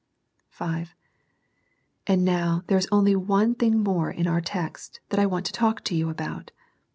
V. And now there is only one thing more in our text that I want to talk to you about.